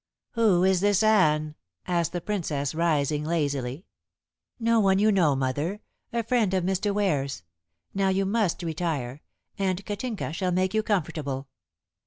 "Who is this Anne?" asked the Princess, rising lazily. "No one you know, mother. A friend of Mr. Ware's. Now you must retire, and Katinka shall make you comfortable."